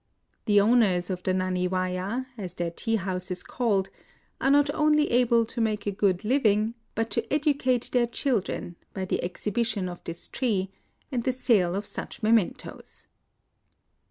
The owners of the Naniwaya, as their tea house is called, are not only able to make a good 170 IN OSAKA living, but to educate their children, by the exhibition of this tree, and the sale of such mementos.